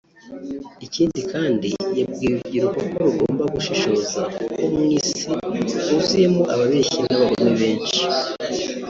Ikindi kandi yabwiye urubyiruko ko rugomba gushishoza kuko mu isi huzoyemo ababeshyi n’abagome benshi